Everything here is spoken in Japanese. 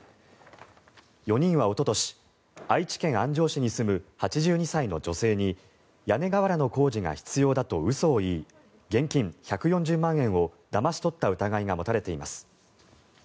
４人はおととし愛知県安城市に住む８２歳の女性に屋根瓦の工事が必要だと嘘を言い現金１４０万円をだまし取った疑いが持たれています。